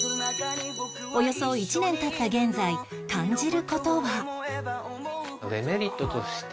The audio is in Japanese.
およそ１年経った現在感じる事は